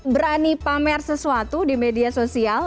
berani pamer sesuatu di media sosial